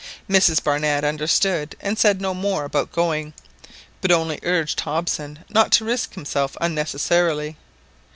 Mrs Barnett understood and said no more about going; but only urged Hobson not to risk himself unnecessarily.